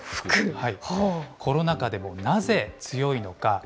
コロナ禍でも、なぜ強いのか。